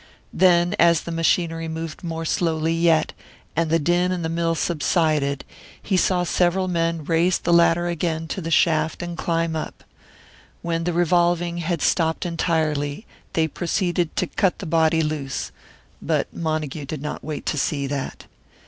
Then, as the machinery moved more slowly yet, and the din in the mill subsided, he saw several men raise the ladder again to the shaft and climb up. When the revolving had stopped entirely, they proceeded to cut the body loose; but Montague did not wait to see that.